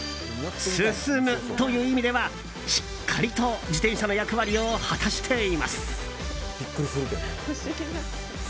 進むという意味では、しっかりと自転車の役割を果たしています。